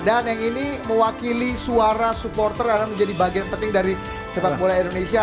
dan yang ini mewakili suara supporter adalah menjadi bagian penting dari sepak bola indonesia